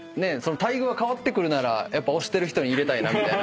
待遇が変わってくるなら推してる人に入れたいなみたいな。